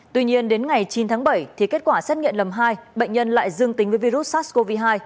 tuy nhiên đến ngày chín tháng bảy thì kết quả xét nghiệm lần hai bệnh nhân lại dương tính với virus sars cov hai